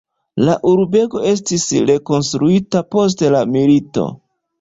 La urbego estis rekonstruita post la milito.